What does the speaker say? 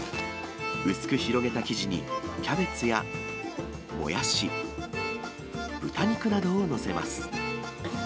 薄く広げた生地にキャベツやもやし、豚肉などを載せます。